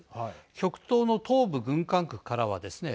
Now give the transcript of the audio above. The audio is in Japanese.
極東の東部軍管区からはですね